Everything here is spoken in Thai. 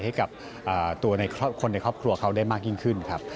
ให้กับตัวในคนในครอบครัวเขาได้มากยิ่งขึ้นครับ